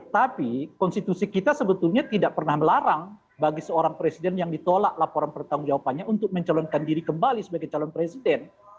tapi konstitusi kita sebetulnya tidak pernah melarang bagi seorang presiden yang ditolak laporan pertanggung jawabannya untuk mencalonkan diri kembali sebagai calon presiden